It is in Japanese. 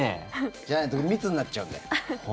じゃないと密になっちゃうんで。